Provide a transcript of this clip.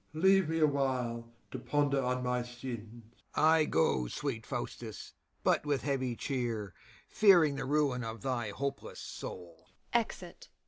Leave me a while to ponder on my sins. OLD MAN. I go, sweet Faustus; but with heavy cheer, Fearing the ruin of thy hopeless soul.